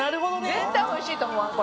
絶対おいしいと思わん？